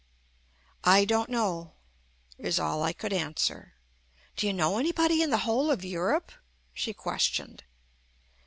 "I don't know," is all I could answer. "Do you know anybody in the whole of Europe?" she questioned.